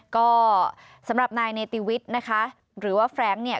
ก็สำหรับนายเนติวิทย์นะคะหรือว่าแฟรงค์เนี่ย